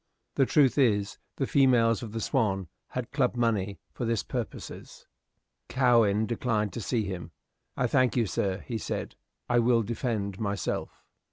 The truth is, the females of the "Swan" had clubbed money for this purposes. Cowen declined to see him. "I thank you, sir," said he, "I will defend myself."